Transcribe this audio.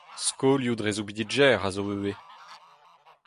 Skolioù dre soubidigezh a zo ivez.